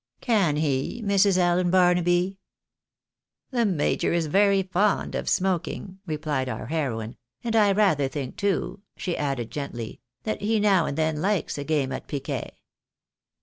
Can he, Mrs. Allen Barnaby ?"" The major is very fond of smoking," replied our heroine ;" and I rather think too," she added, gently, " that he now and then likes a game at piquet."